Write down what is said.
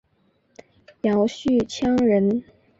姚绪羌人。